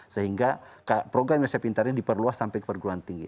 sehingga program indonesia pintar ini diperluas sampai ke perguruan tinggi